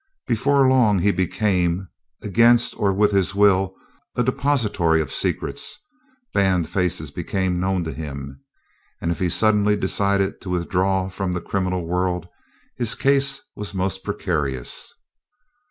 Before long he became, against or with his will, a depository of secrets banned faces became known to him. And if he suddenly decided to withdraw from that criminal world his case was most precarious.